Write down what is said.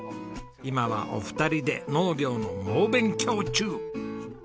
今はお二人で農業の猛勉強中。